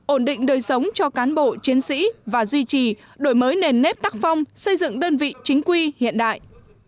ổn định đời sống cho cán bộ chiến sĩ và duy trì đổi mới nền nếp tác phong xây dựng đơn vị chính quy hiện đại